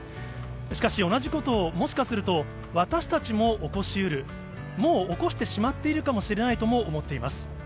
しかし、同じことを、もしかすると、私たちも起こしうる、もう起こしてしまっているかもしれないとも思っています。